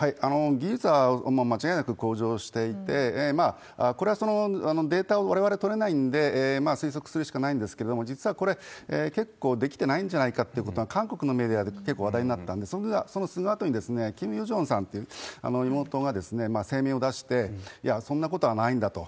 技術は間違いなく向上していて、これはそのデータをわれわれ取れないんで、推測するしかないんですけれども、実はこれ、結構できてないんじゃないかということが、韓国のメディアで結構話題になったんで、そのすぐあとに、キム・ヨジョンさんという妹が声明を出して、いや、そんなことはないんだと。